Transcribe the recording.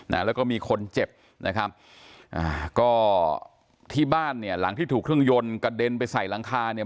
นะแล้วก็มีคนเจ็บนะครับอ่าก็ที่บ้านเนี่ยหลังที่ถูกเครื่องยนต์กระเด็นไปใส่หลังคาเนี่ย